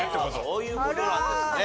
そういう事なんですね。